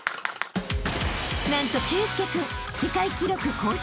［何と圭佑君世界記録更新